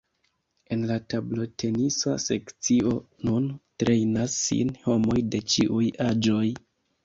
En la tablotenisa sekcio nun trejnas sin homoj de ĉiuj aĝoj.